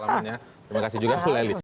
terima kasih juga